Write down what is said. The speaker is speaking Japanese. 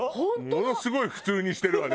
ものすごい普通にしてるわね。